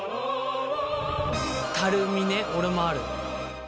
たるみね俺もある。